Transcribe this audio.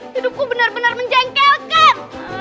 hidupku benar benar menjengkelkan